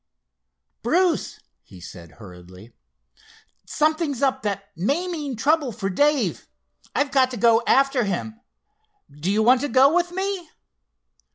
"Bruce," he said hurriedly, "something's up that may mean trouble for Dave. I've got to go after him. Do you want to go with me?"